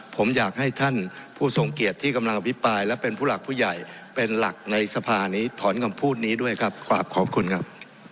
ผมอยากให้ท่านผู้ทรงเกียจที่กำลังอภิปรายและเป็นผู้หลักผู้ใหญ่เป็นหลักในสภานี้ถอนคำพูดนี้ด้วยครับกราบขอบคุณครับ